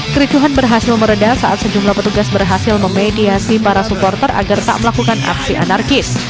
kericuhan berhasil meredah saat sejumlah petugas berhasil memediasi para supporter agar tak melakukan aksi anarkis